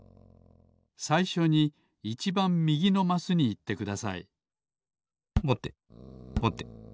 さいしょにいちばんみぎのマスにいってくださいぼてぼて。